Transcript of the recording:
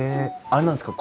あれなんですか？